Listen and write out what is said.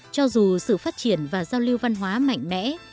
cho dù sự phát triển và giao lưu văn hóa mạnh mẽ